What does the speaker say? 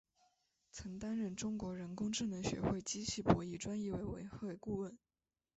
曾担任中国人工智能学会机器博弈专业委员会顾问。